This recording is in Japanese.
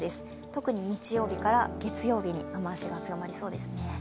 特に日曜日から月曜日に雨足が強まりそうですね。